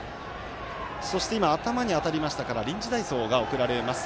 そして今、頭に当たりましたから臨時代走が送られます。